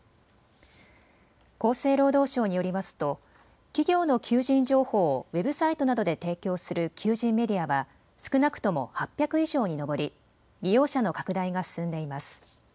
厚生労働省によりますと企業の求人情報をウェブサイトなどで提供する求人メディアは少なくとも８００以上に上り利用者の拡大が進んでいます。